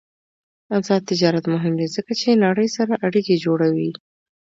آزاد تجارت مهم دی ځکه چې نړۍ سره اړیکې جوړوي.